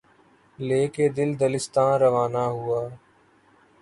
لے کے دل، دلستاں روانہ ہوا